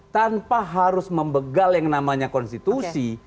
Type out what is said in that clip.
tanpa harus membegal yang namanya konstitusi